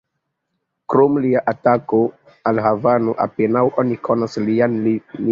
Krom lia atako al Havano, apenaŭ oni konas lian vivon.